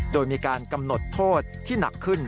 โดยมีการกำหนดโทษที่หนักขึ้น